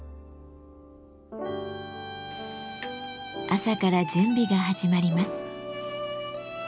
朝から準備が始まります。